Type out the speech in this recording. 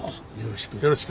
よろしく。